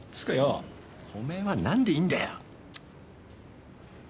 おめえは何でいるんだよ？